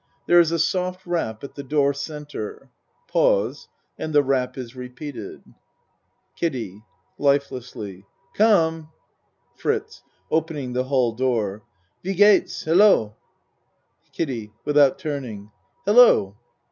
There u a soft rap at the door C. Pause and the rap is repeated. KIDDIE (Lifelessly.) Come. FRITZ (Opening the hall door.) Wie gehts. Hello. KIDDIE (Without turning.) Hello!